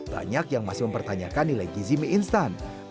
banyak yang masih mempertanyakan nilai gizi mie instan